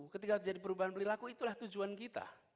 ketika terjadi perubahan perilaku itulah tujuan kita